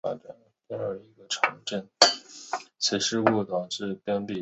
此事故导致旧恩施机场关闭停航。